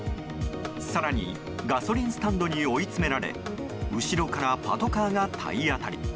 更に、ガソリンスタンドに追い詰められ後ろからパトカーが体当たり。